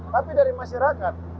tapi dari masyarakat